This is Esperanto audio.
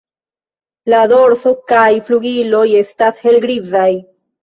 La dorso kaj flugiloj estas helgrizaj.